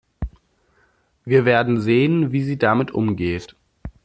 Wir werden sehen, wie sie damit umgeht.